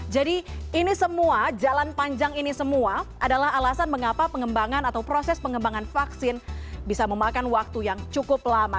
jadi ini semua jalan panjang ini semua adalah alasan mengapa pengembangan atau proses pengembangan vaksin bisa memakan waktu yang cukup lama